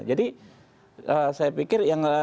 jadi saya pikir